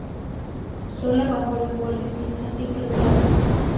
Solo bajó la guardia un instante y perdió la partida